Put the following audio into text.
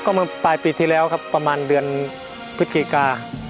ก็เมื่อปลายปีที่แล้วครับประมาณเดือนพฤศจิกา